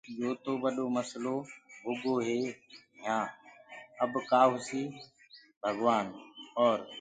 يو تو ٻڏو مسلو هوگو هي يهآن اب ڪآ هوسيٚ ڀگوآن اور